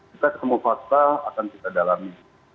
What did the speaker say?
kita ketemu fakta akan kita dalami